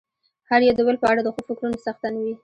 هر يو د بل په اړه د ښو فکرونو څښتن وي.